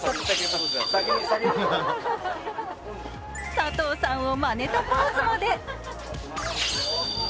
佐藤さんをまねたポーズまで。